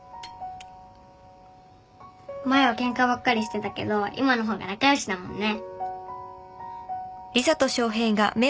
前はケンカばっかりしてたけど今の方が仲良しだもんね。